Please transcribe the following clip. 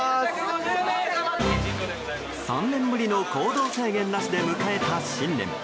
３年ぶりの行動制限なしで迎えた新年。